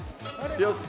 よし！